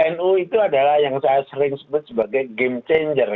nu itu adalah yang saya sering sebut sebagai game changer